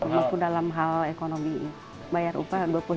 maka dalam hal ekonomi bayar upah rp dua puluh lima